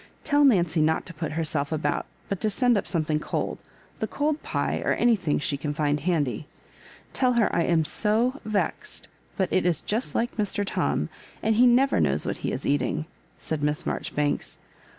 *' Tell Nancy not to put herself about, but to send up something cold — ^the cold pie, or anything she can find handy. Tell her I am so vexed, but it is just like Mr. Tom ; and he never knows wha he is eating," said Miss Marjoribanks.